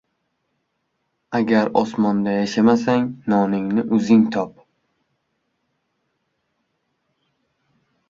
• Agar osmonda yashamasang, noningni o‘zing top.